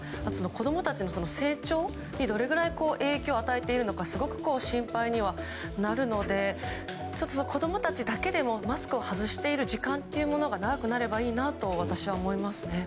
子供たちの成長にどれぐらい影響を与えているのかすごく心配にはなるので子供たちだけでもマスクを外している時間が長くなればいいなと私は思いますね。